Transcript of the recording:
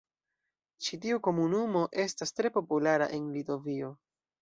Ĉi tiu komunumo estas tre populara en Litovio.